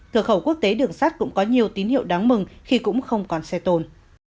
cửa khẩu quốc tế đường sắt cũng có nhiều tín hiệu đáng mừng khi cũng không còn xe tồn